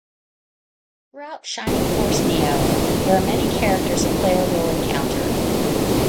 Throughout Shining Force Neo there are many characters the player will encounter.